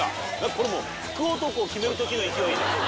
これもう福男を決める時の勢いじゃん。